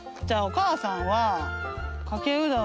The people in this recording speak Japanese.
じゃあおかあさんは。